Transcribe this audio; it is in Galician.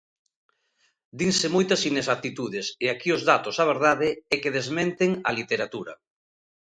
Dinse moitas inexactitudes, e aquí os datos a verdade é que desmenten a literatura.